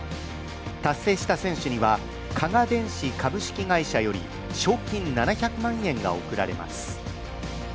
達成した選手には加賀電子株式会社より賞金７００万円が贈られます。